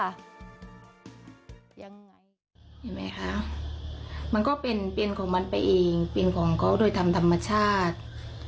เห็นไหมคะมันก็เป็นเป็นของมันไปเองเป็นของเขาโดยธรรมชาติ